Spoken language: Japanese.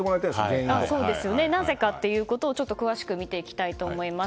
なぜかということを詳しく見ていきたいと思います。